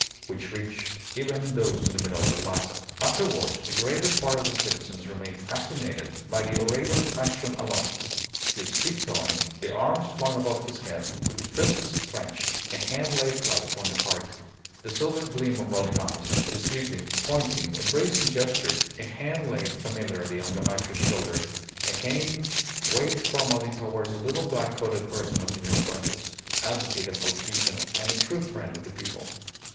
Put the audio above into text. which reached even those in the middle of the Plaza. Afterwards the greater part of the citizens remained fascinated by the orator's action alone, his tip toeing, the arms flung above his head with the fists clenched, a hand laid flat upon the heart, the silver gleam of rolling eyes, the sweeping, pointing, embracing gestures, a hand laid familiarly on Gamacho's shoulder; a hand waved formally towards the little black coated person of Senor Fuentes, advocate and politician and a true friend of the people.